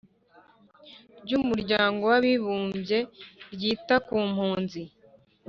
ry Umuryango w Abibumbye ryita ku Mpunzi